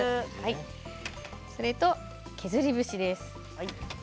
それと削り節です。